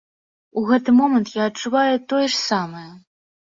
У гэты момант я адчуваю тое ж самае!